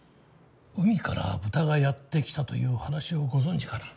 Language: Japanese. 「海から豚がやってきた」という話をご存じかな？